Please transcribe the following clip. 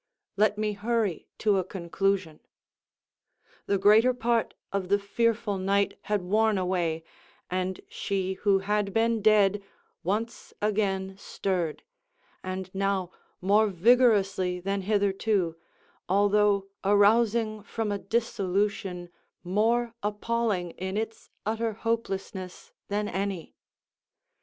Let me hurry to a conclusion. The greater part of the fearful night had worn away, and she who had been dead, once again stirred—and now more vigorously than hitherto, although arousing from a dissolution more appalling in its utter hopelessness than any.